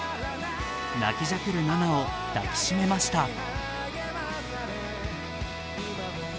泣きじゃくる菜那を抱きしめました。